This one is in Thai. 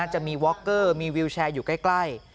จะมีวอคเกอร์มีวิวแชร์อยู่ใกล้